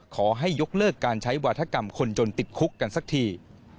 ขอให้ยกเลิกการใช้วาธกรรมคนจนติดคุกกันสักที